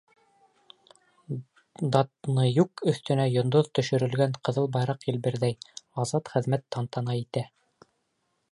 Датныюк өҫтөндә йондоҙ төшөрөлгән ҡыҙыл байраҡ елберҙәй, азат хеҙмәт тантана итә.